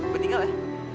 gua tinggal ya